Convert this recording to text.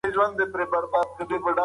د ټولنې ستونزې باید په نښه سي.